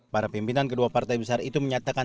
para pimpinan kedua partai besar itu menyatakan